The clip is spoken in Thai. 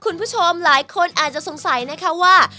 คุณผู้ชมหลายคนอาจจะสงสัยนะคะว่า